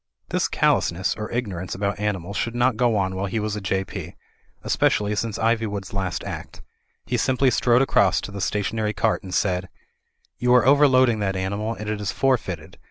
This callousness or ignorance about animals should not go on while he was a J.P. ; especially since Iv)rwood's last Act. He simply strode across to the stationary cart and said: "You are overloading that animal, and it is forfeited.